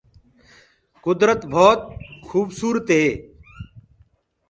ڪُدرت ڀوت کوُبسوُرت هي۔